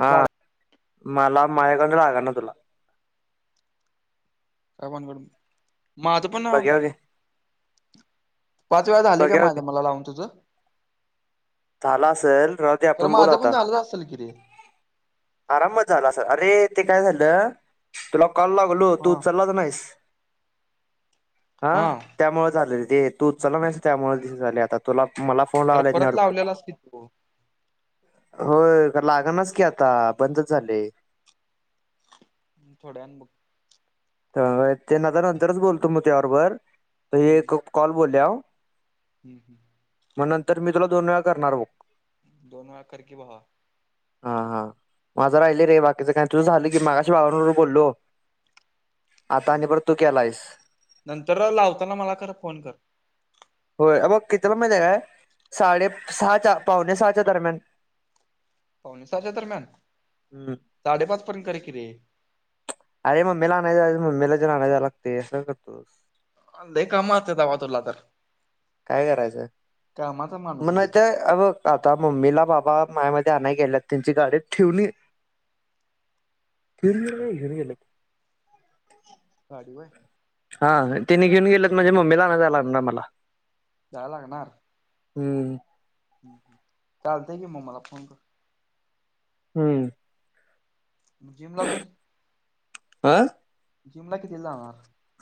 हा, लाग मला मायकडनं लागना तुला. काय भानगड, माझं पण बघ्याव घे पाच वेळा झालय काय बघ्याव घे माझं मला लावून तुझं. झालं असल, राहू दे खरं आपण बोलू माझं पण आता. झालंच असेल कि रे आरामात झालं असल, अरे ते काय झालं, तुला कॉल लावलो होतो हा उचललाच नाहीस. हा, त्यामुळं झालं रे ते, तू उचचला नाहीस त्यामुळं दिस झाले आता तुला मला फोन खरं लावला नाही परत वाटत तुला लावलेलास की तू. होय खरं लागनाच की आता, बंदच झालय. थोड्या वेळानं बघू. तर ते ना नंतरच बोलतो मग त्या बरोबर त एक कॉल बोल्याव. हम्म हम्म. मग नंतर मी तुला दोन वेळा करणार बघ. दोन वेळा कर की भावा. हा हा, माझं राहिलय रे बाकीचं काय, तुझं झालं की, मागशी बाबां बरोबर बोललो. आता चाल आणि परत तू केलायस. नंतर लावताना मला खरं फोन कर. होय, अबघ कितीला माहितय काय, साडे सहाच्या पावणे सहाच्या दरम्यान. पावणेसाच्या दरम्यान, हम्म साडेपाच पर्यंत कर की रे. अरे मम्मीला आणाय मम्मीला आणायला जावं लागतंय, असं काय करतुस. लय कामं असत्यात आबा तुला तर. काय करायचं, कामाचा मग माणूस नाय आहेस त अ बघ आता मम्मीला बाबा मायामते आणाय गेल्यात, त्यांची गाडी ठेवलीत ठिऊन गेल्यात काय का ते घिऊन गेल्यात. गाडी वय. हा, तनी घीऊन गेल्यात म्हझे मम्मीला आनाय जाया लागनार मला. जाया लागणार. हम्म. चालतंय की मग मला फोन कर. हम्म. जिमला तू, आ जिमला किती जाणार.?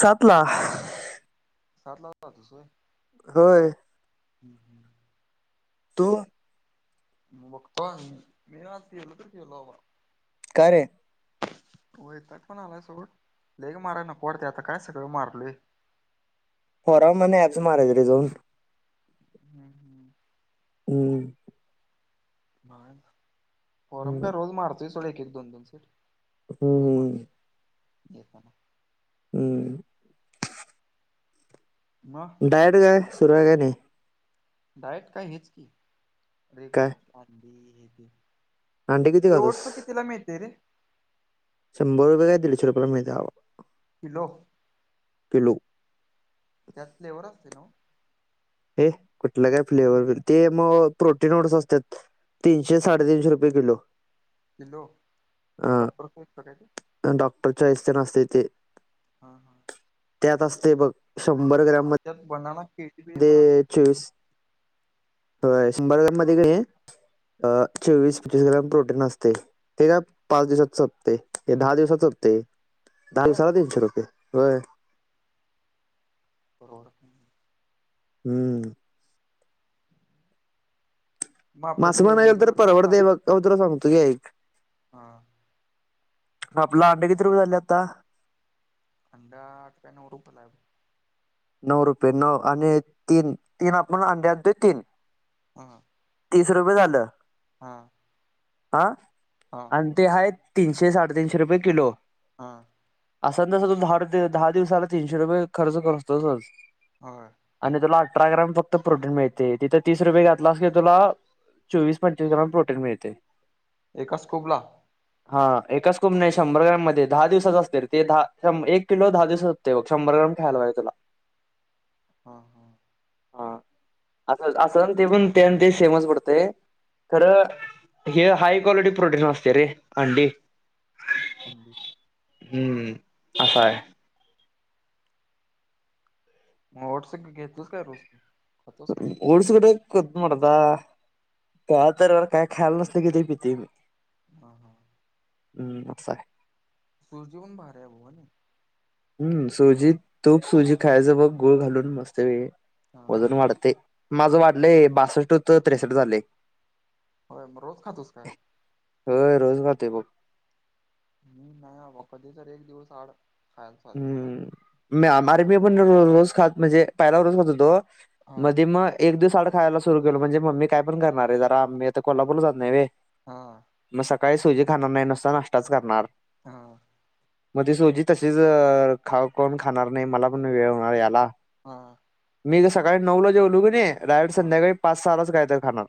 सातला. सातलाच जातुस वय. होय. [inaudible] तू. मग बघतो हा मी आज गेलो तर गेलो बाबा. का रे? वैताग पण आलाय सोड लेग माराय नको वाटतंय आता काय सगळं मारलोय. [inaudible] ॲप्स मारायचं रे जाऊन. हम्म हम् हम् मग फोयरम हम्म काय रोज मारतोय सोड एकेक दोनदोन सोड. रोज हम्म मारतो येतानां. हम्म म अ डायट काय सुरु आहे काय नाही? डाएट काय हेच की काय रेगुरलच अंडी हे ते. अंडे किती ओट्स खातोस कीतीला मिळतंय रे? शंभर रुपये का दीडशे रुपयाला मिळतंय बाबा. किलो? किलो. त्यात फ्लेवर असतंय नव्हं? हे कुठलं काय फ्लेवर ते म प्रोटीओड्स असत्यात. तीनशे साडेतीनशे रुपये किलो. किलो अ डॉक्टरचं ईक्तो काय ते? डॉक्टर च्याहीस्तं तेण असतंय ते? हा हा त्यात असतंय बग शंभर ग्रॅम म त्यात बनाना के‍ दे चौवीस होय शंभर ग्राम मद्ये कणी चोवीस पंचवीस हम्म ग्राम प्रोटीन असतंय. ते का पाच दिवसात सपतंय दहा दिवसात सपतंय दहा होय दिवसाला तीनशे रुपये होय. परवडत नाही. हम्म मग म आपलं आसं ते म्हणाय गेलतर रेग्युलर ओटस परवडतय बग ये बघ तुला सांगतो की ऐक हां आपलं अंडं किती रुपये झालंय आता? अंडा आठ काय नऊ रुपयाला आहं बघ. नऊ रुपये नऊ आणि तीन तीन आपण आंडी आनतोय तीन. हां तीस रुपये झालं. हा आं हा आनं ते आहं तीनशे साडेतीनशे रुपये किलो. हा असं ना तसं तू दहा र दहा दिवसाला तीनशे रुपये खर्च करतोसचं? होय. आणि तुला अठरा ग्राम फक्त प्रोटीन मिळतंय तिथं तीस रुपये घातलास की तुला चोवीस पंचवीस ग्राम प्रोटीन मिळतंय. एका स्कोपला हा एकाच स्कॉब नइ शंभर ग्रम मद्ये दहा दिवसाचं असतय रे ते दहा एक किलो दहा दिवसा ते बग शंभर ग्रॅम खायला पाईजे तुला हा हा हा असं असंन ते पण ते अन ते सेमच पडतय खर हे हाय क्वालिटी प्रोटीन असतय रे अंडी [inaudible] हू असं हाय म ओट्स घेतोस काय रोज खातोस का नाही ओट्स कुट मर्दा कवा तर काय खायाला नसलं कि ते पितोय मी हा हा हू असाय सुजी पन भारीय व्हनी हू सुजीत तूप सुजी खायचं बघ गुळ घालून मस्त पैकी हा वजन वाढतय माझं वाढलंय बासष्ट होतं त्रेसष्ट झालंय होय म रोज खातोस काय होय रोज खातोय बघ मी नाही बाबा कधी तरी एक दिवस आड खायचं चालू केल्यात म आर मी पण रोज खात म्हणजे पहिला रोज खात होतो हा मधी म एक दिवस आड खायला सुरू केलं म्हजे मम्मी काय पण करणार रे जरा मी आता कोल्हापूरला जात नाही व्हय हा म सकाळी सुजी खाणार नाही नुसता नाष्टाच करणार हां म ते सुजी तशीच खाऊ कोण खाणार नाही मला पण वेळ होणार याला हा मी सकाळी नऊला जेवलो कणी डायरेक्ट हा संध्याकाळी पाच सहा लाच काय तर खाणार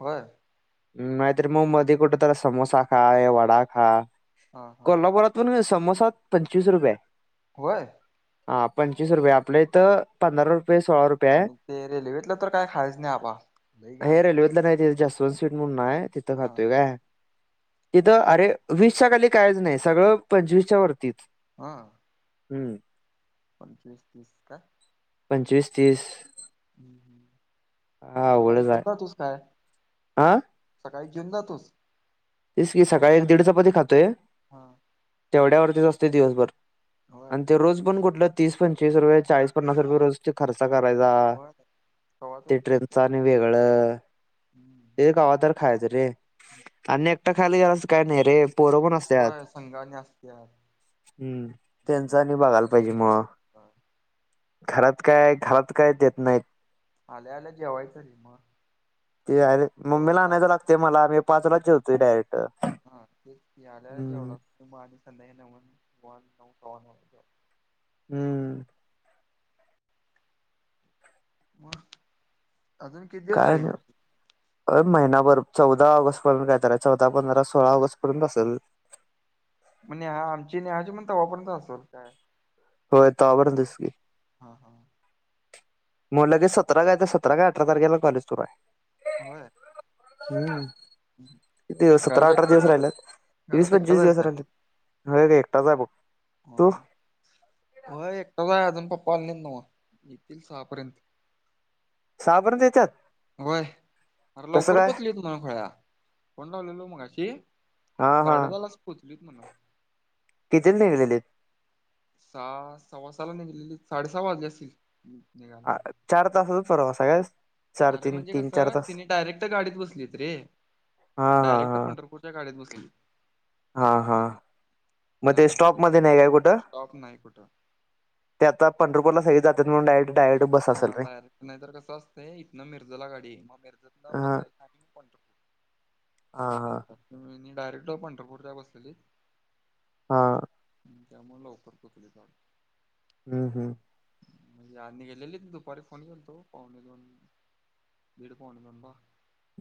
होय नाही तर म मध्ये कुठ तर समोसा खा हे वडा खा हा हा कोल्हापुरात पण समोसा पंचवीस रुपय होय आ पंचवीस रुपय आपल्या इथं पंधरा रुपय सोळा रुपय आणि ते रेल्वेतलं तर काय खायच नाही आबा लई हाय घाण हे रेल्वेतल नाही तिथ जास्त दोन सीट म्हणून हाय तिथं हा खातोय काय तिथं अरे वीसच्या खाली कायच नाही सगळं पंचवीसच्या वरतीच हा हू पंचवीस तीस काय पंचवीस तीस हू हा म सकाळी अवघडच जेऊन आहे जातोस काय हा सकाळी जेऊन जातोस तेच की सकाळी एक दीड चपाती खातोय हा तेवढ्यावरतीच असतोय दिवसभर होय आणि ते रोज पण कुठलं तीस पंचवीस रुपय चाळीस पन्नास रुपय रोज च खर्चा करायचा होय कवा ते तरी ठीक ट्रेनच आणि वेगळ हम्म ते कवा तर खायचं रे आणि एकटा खायला गेलास तर काय नाही रे पोरं पण असत्यात होय संग आणि असत्यात हम्म त्यांच आणि बघायल पायजे म. हां घरात काय घरात काय देत नाईत. आल्या आल्या जेवायचं री म. ते अरे मम्मीला आणायला लागते मला अने पाचलाच जेवतोय डायरेक्ट. हा ते ति आल्या जेवा हम्म लागतो आणि संध्याकाळी नव वन नऊ सव्वा नऊ हम्म म अजुन काय नाय. अ महिनाभर चौदा ऑगस्ट पर्यंत काय तराय चौदा पंधरा सोळा ऑगस्ट पर्यंत बसंल. म्हणे हा आमची नेहाची पण तवा पर्यंत असंल काय. होय तवापर्यंतच की. हा हा बोलले कि सतरा काय ते सतरा का अठरा तारखेला कॉलेज सुरु आय. होय हम्म सत्रा घरात अठरा एकटा दिवस रायलेत वीस घरात एकटाच पंचवीस आहेस दिवस काय रायलेत. होय एकटाचाय बो. हं हं होय एकटा अजून पप्पा आलेले नवा येतील सहापर्यंत. सा पर्यंत येत्यात. होय अरे कसं लवकर काय पोचले [unintelligible] फोन लावलेला मगाशी. हा हा साडेदहालाच पोचलीत म्हणाव. किती निघलेलेत. सा सव्वासाला निघलेली साडे सहा् वाजली असतील निघाला. आ, चार तासाचा प्रवासायस. अरे म्हणजे कसं तिने डायरेक्ट गाडीत बसलीत रे हा हा डायरेक्ट हा पंढरपूर -च्या गाडीेत बसली. हा हा मधे त्यामुळं स्टॉप मध्ये नाय काय कुठं. स्टॉप नाही कुठं. ते आता पंढरपूरला सगळे जात्यात म्हणून सगळे डायरेक्ट बस हा असेल रे डायरेक्ट नाई तर कसं असतय इथंनं मिर्जला गाडीय मग मिर्जतन हा बदलाय अनी हा हा पंढर [unintelligible] हा त्यामुळं लवकर पोचली. हम्म हम् म्हणजे अनिकेत ललीत दुपारी फोन केल्ता ओ पावणे दोन दिड पावणे दोनला.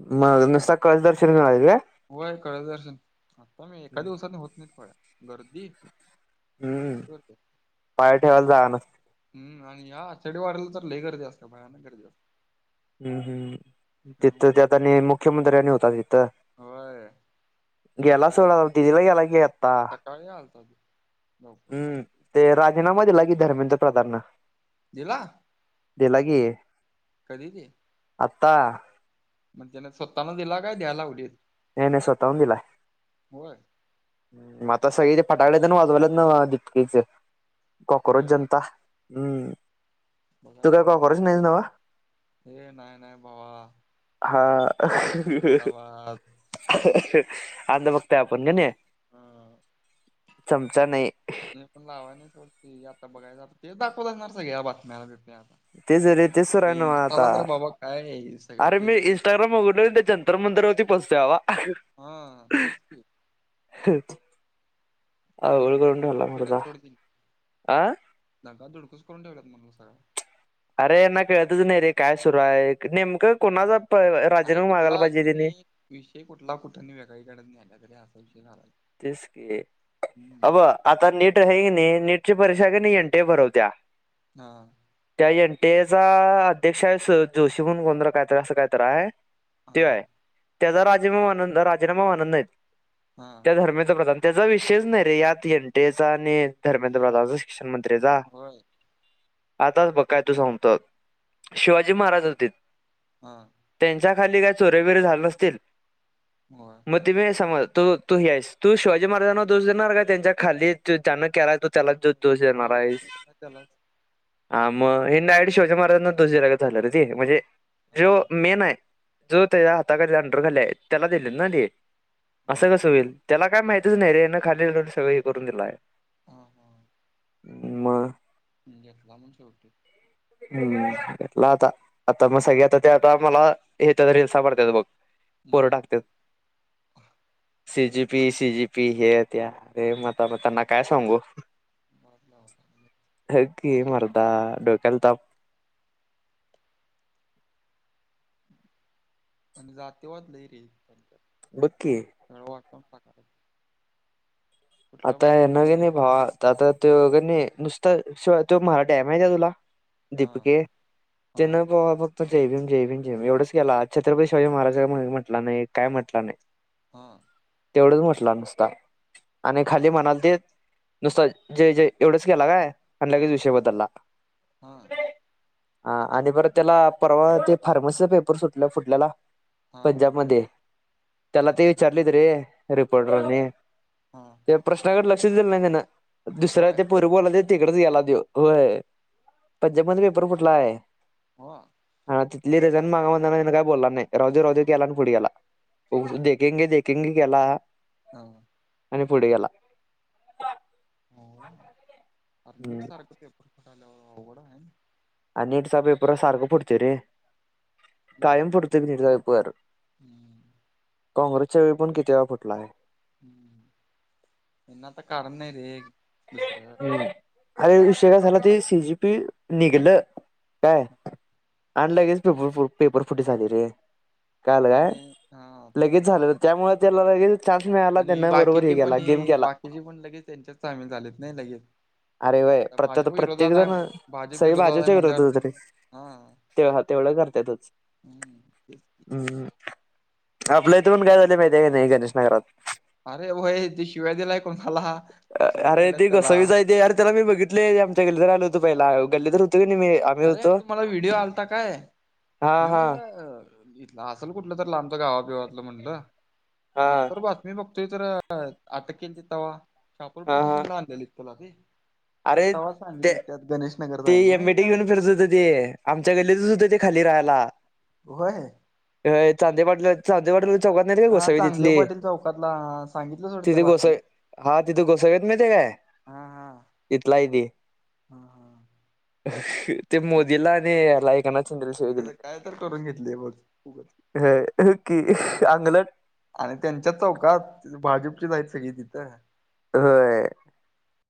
[unintelligible] होय कळस दर्शन आता मी एका दिवसाने होत नाईत फळ्या गर्दी हम्म भरपूर पाय ठेवायला जागा नसते हम्म आणि या आषाढी वारीला तर लय गर्दी असते भयानक गर्दी असते. हम्म हम्म तिथं त्यामुळे त्यात आणि मुख्यमंत्र्यांनी होता तिथं. होय गेला सकाळी सोडा दिदीला गेला की आता, सकाळी आलता तो लवकर हम्म. आलता ते राजीनामा दिला की धर्मेंद्र प्रधानन. दिला. दिला की कधी ते. आत्ता. म्हणजे त्यानें स्वतःने दिला, काय द्याय लावलीत. नाही नाही स्वतःहून दिलाय. होय. मग आता सगळी फटाकड्या तेन, वाजवायलेत नवं दीपकीचं कॉकरोज होय का जनता. तू काय कॉकरोच नाहीसं नवं. ये नाही नाही भावा मोदी हा जिंदाबाद. अंध भक्त आहे, आपण कणी. हां. चमचा नाही. नाही आपण लावाय नाही सोड टी व्ही आता बघायच तेच, दाखवत असणार सगळ्या बातम्याला बितम्याला आता. तेच रे तेच सुरू आहे ते नव्हं आता, इंस्टाला तर बाबा काय सगळं अरे मी तेच व्हिडिओ इंस्टाग्राम उघडलं कणी जनता [unintelligible] हा तेच की. काय अवघड दंगा करून धुडकूस ठेवलाय मर्दा केल्यात सोड तेनी आं. दंगा धुडकूस करून ठेवल्यात म्हण सगळा. अरे यांना कळतच नाही रे काय सुरू आहे, नेमकं कोणाचा अरे राजीनामा मागायला कुठला पाहिजेत हेनी. तुम्ही विषय कुठला कुठं वेगळीकडेच ‌न्हायल्यात रे, असा विषय झालायं. तेच‌ की अबघ आता नीट हे कणी, नीट ची परीक्षा एन टी ए भरवत्या. हा. त्या एन टी एचा अध्यक्ष आहे, जोशी म्हणून कोण काय असं कायतर हाय. तो हा हाय त्यांचा राजीनामा म्हणत नाहीत. हा. त्या धर्मेंद्र प्रधान त्यांचा विषयच नाही रे, यात एन टी एम चा आणि धर्मेंद्र प्रधानचा. शिक्षण मंत्री चा. होय आताच बघ काय तू सांगतो, शिवाजी महाराज आलतीत. हां. त्यांच्या खाली काय चोऱ्या बिऱ्या झाले नसतील. होय मग होय तुम्ही हे समज तो. तू हे आहेस तू शिवाजी महाराजांना दोष देणार काय त्यांच्या खाली जान केलाय. त्याला तू दोष देणार. होय गाणं पण त्यालाच हा, मग हेनी डायरेक्ट शिवाजी महाराजांना दोष दिल्यागत झालं रे, म्हणजे जो हा, मेन आहे. जो त्यांच्या हाताखाली अंडर खाली आहे, त्यांला दिलेत ना होय असं कसं होय होईल. मला काय माहितीच नाही रें, खाली सगळं हे करून दिलाय. हा हा मग. घेतला मग शेवटी. हम्म, घेतला आता आता मग सगळे आता ते, आत्ता मला हेेत रिल्सा पडत्यात बघ. पोरं हम्म टाकत्यात. [inaudible] C G P, C G P हे त्या रे, मग आता त्यांना काय सांगू. [unintelligible] हाय की मर्दा, डोक्याला ताप. आणि जातिवाद लै रे करत्यात. बकी. [unintelligible] कुठलं आता पण कुठं पण नवीन आहे न्यायचं भावा आता.. आता त्यो कनय नुसत शो.. मराठ्या आहे माहिती हाय आहे तुला हा दिपीके हा त्यांन भवा फ जय भीम, जय भीम, जय भीम एवढंच गेला छत्रपती शिवाी महाराजां म्हटला नाही काय म्हटलं नाही. हा तेवढंच म्हटलं नुसता आणि खाली म्हणाल ते, नुसत जय.. जय.. एवढंच केला काय आणि लगेच हा विषय बदलला. हा हा आणि बरं त्याला परवा ते फार्मसीचा पेपर सुटलं फुटल्याला. हा पंजाब मध्ये त्याला ते हा विचारलेत रे.. रिपोर्टरने. हा त्या प्रश्नाकडे लक्ष दिलं नाही त्याने, दुसऱ्या होय त्या पो बोला ते तिकडेच गेला त्यो, होय.. पंजाब मध्ये पेपर फुटलाय. हो तिथली डिझाईन मागव मग काय बोलला नाही राहू दे राहू दे बोला आणि पुढे गेला. देखेंगे.. देखेंगे.. केला. हा आणि पुढे गेला. नीट हम्म सारख पेपर फुटलावर अवघड आहे. नीट चा पेपर सारखा फुटतय रे.. हे कायम फुटतय तितला पेपर. हम्म काँग्रेसच्या वेळी पण किती वेळा फुटलाय. त्यांना आता कारण नाही रे. दुसरं अरे म्हणून विषय काय झाला ते सी जी. पी. निघालं. काय आणि लगेच पेपर फ्... फुटी झाली रे. काल काय आणि हा.. तस लगेच झालं त्यामुळे त्याला लगे चान्स मिळाला आणि त्यांना बरोबर हे बाकीचे पण केला, गेम केला. बाकीचे पण लगेच त्यांच्यात सामील झालेत ना लगेच. अरे... व्हय आता प्रत्य.. भाजप प्रत्येक विरोधात आहे जण भाजप सगळेच भाज्या आहे च्या विरोधात म्हणल्यावर होते की त्यांनी नाही. हा तेव हा.. तेवढं करतातच. हम्म.. तेच कि हम्.. ह्म्म आपल्या इथे पण काय झालं माहिती आहे का नाही गणेश नगरात? अरे.. व्हय ते शिव्या दिलय.. कोणाला? उचलून अरे नेल्यात ते त्याला कसावीचय ते, अरे.. त्याला मी बघितले आमच्याकडे ज आल होतो पहिला आयोग अरे.. तुम्हाला व्हिडिओ आलता काय? हा मी हा म्हणलं. इथ असेल कुठलं तर लांबच गावा बिवातलं म्हटलं, हा नंतर ब मी बघतोय तर आटक केलतं तवा, शापोर हा पुलीस हा स्टेशनला आनलेलीत तुला मी. अरे मग तव्हा ते सांगितल त्यात गणेश ते नगरचा आहे मग एम. ए. टी. इथं आहे घेऊन पण फिरत होत ते, आमच्या गल्लीतच होत ते खाली राहायला. व्हय अ.. चांदे पाटलात चांदे पाटील चौकात नाही का हा गोसावी चांगदेव तिथली.. पाटील चौकातला सांगितलं सोड त्या तिथे बातमीत गोसावी हा.. तिथे गोसावी आहेत माहितीये काय? हा हा तिथला हाय ते हा.. हा.. ह्.. ते मोदीला आणि ह्याला ऐकनात त्याजा काय तर करून घेतले बघ उगाच. होय हो की अंगलट आणि त्यांच्या चौकात भाजपचीच आहेत सगळी तिथं. होय.